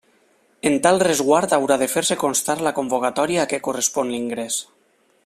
En tal resguard haurà de fer-se constar la convocatòria a què correspon l'ingrés.